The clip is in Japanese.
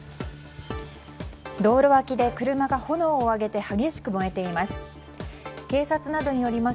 道路脇で車が炎を上げて激しく燃えています。